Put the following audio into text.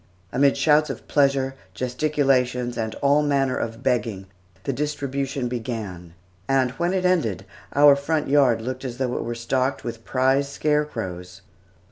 Amid shouts of pleasure, gesticulations, and all manner of begging, the distribution began, and when it ended, our front yard looked as though it were stocked with prize scarecrows.